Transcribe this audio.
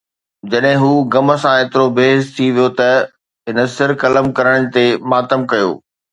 جڏهن هو غم سان ايترو بي حس ٿي ويو ته هن سر قلم ڪرڻ تي ماتم ڪيو